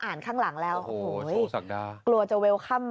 ไม่กล้าแล้วว่ะดอม